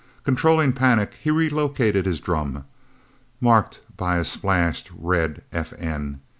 Controlling panic, he relocated his drum, marked by a splashed red F.N.